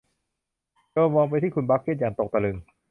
โจมองไปที่คุณบักเก็ตอย่างตกตะลึง